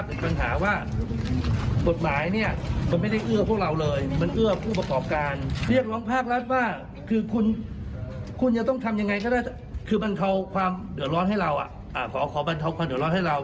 คือบรรเทาความเหลือร้อนให้เราอ่ะอ่าขอขอบรรเทาความเหลือร้อนให้เรา